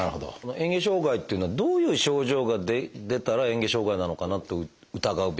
えん下障害っていうのはどういう症状が出たらえん下障害なのかなと疑うべきなのかなってことなんですが。